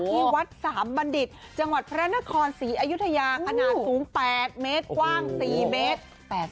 ที่วัดสามบัณฑิตจังหวัดพระนครศรีอยุธยาขนาดสูง๘เมตรกว้าง๔เมตร